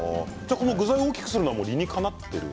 具を大きくするのも理にかなっている？